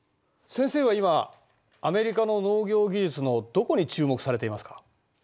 先生は今アメリカの農業技術のどこに注目されていますか？